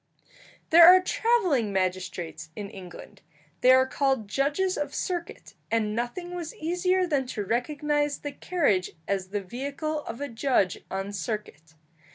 There are travelling magistrates in England; they are called judges of circuit, and nothing was easier than to recognize the carriage as the vehicle of a judge on circuit.